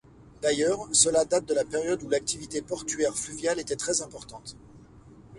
D'ailleurs, Cela date de la période où l'activité portuaire fluviale était très importante.